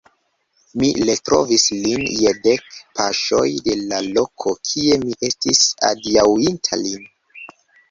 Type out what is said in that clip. Mi retrovis lin je dek paŝoj de la loko, kie mi estis adiaŭinta lin.